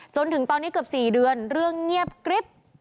จนถึงตอนนี้เกือบ๔เดือนเรื่องเงียบกริ๊บ